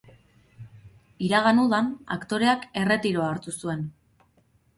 Iragan udan, aktoreak erretiroa hartu zuen.